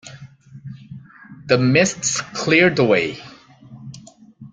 The mists cleared away.